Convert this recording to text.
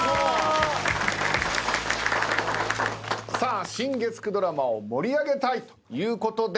さあ新月９ドラマを盛り上げたいということで。